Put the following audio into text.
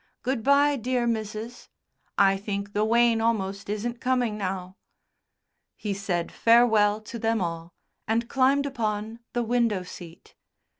Good bye, dear, Mrs. I think the wain almost isn't coming now." He said farewell to them all and climbed upon the window seat.